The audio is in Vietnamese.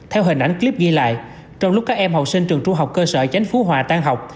theo hình ảnh clip ghi lại trong lúc các em học sinh trường trung học cơ sở chánh phú hòa tan học